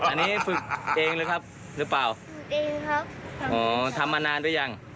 อันนี้ฝึกเองเลยครับหรือเปล่าฝึกเองครับอ๋อทำมานานหรือยัง